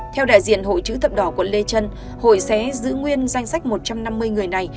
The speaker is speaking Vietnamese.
theo đại diện hội chữ thập đỏ quận lê trân hội sẽ giữ nguyên danh sách một trăm năm mươi người này